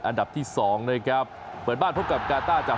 อันดับที่๒นะครับเปิดบ้านพบกับกาต้าจาก